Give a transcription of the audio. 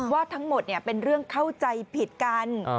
ว่าทั้งหมดเป็นเรื่องเข้าใจผิดกัน